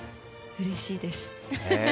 うれしいです。